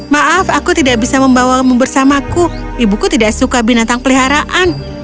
maaf aku tidak bisa membawamu bersamaku ibuku tidak suka binatang peliharaan